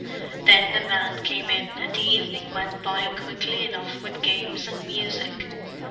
Then the men came in, and the evening went by quickly enough with games and music.